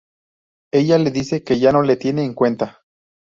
Ella le dice que ya no le tiene en cuenta.